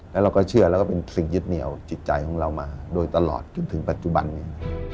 แล้วเราก็เชื่อแล้วก็เป็นสิ่งยึดเหนียวจิตใจของเรามาโดยตลอดจนถึงปัจจุบันนี้